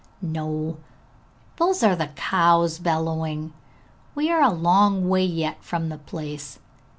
'No, those are the cows bellowing; we are a long way yet from the place.'